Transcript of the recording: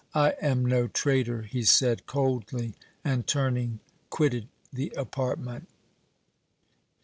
"I am no traitor!" he said, coldly, and, turning, quitted the apartment.